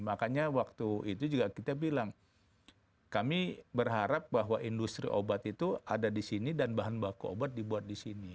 makanya waktu itu juga kita bilang kami berharap bahwa industri obat itu ada di sini dan bahan baku obat dibuat di sini